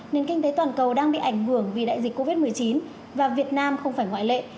nền kinh tế toàn cầu đang bị ảnh hưởng vì đại dịch covid một mươi chín và việt nam không phải ngoại lệ